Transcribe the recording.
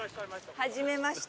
はじめまして。